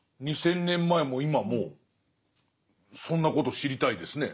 ２，０００年前も今もそんなこと知りたいですね。